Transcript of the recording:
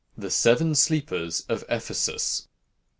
The Seven Sleepers of Ephesus.